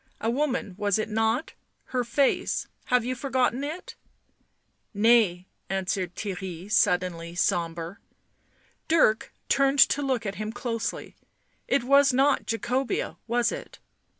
A woman, was it not ? Her face — have you forgotten it ?"" Nay," answered Theirry, suddenly sombre. Dirk turned to look at him closely. " It was not Jacobea, was it?"